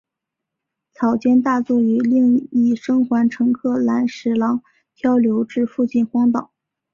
草间大作与另一生还乘客岚十郎漂流至附近荒岛。